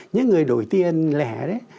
những người đổi tiền lẻ